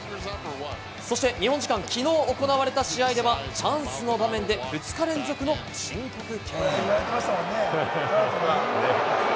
そして日本時間きのう行われた試合では、チャンスの場面で２日連続の申告敬遠。